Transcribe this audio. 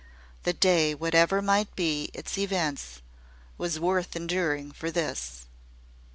The day, whatever might be its events, was worth enduring for this.